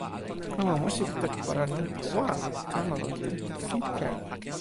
kalama musi pi toki pona nanpa wan li kama lon tenpo sike.